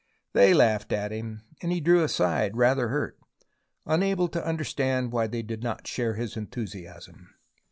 They laughed at him, and he drew aside, rather hurt, unable to understand why they did not share his enthusiasm.